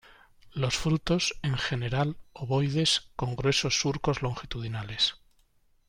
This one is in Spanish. Los frutos, en general, ovoides, con gruesos surcos longitudinales.